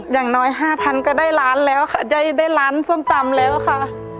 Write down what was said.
อย่างน้อย๕๐๐ก็ได้ร้านแล้วค่ะได้ร้านส้มตำแล้วค่ะ